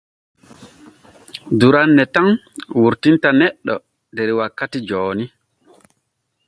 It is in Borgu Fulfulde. Duranne tan wurtinta neɗɗo der wakkati jooni.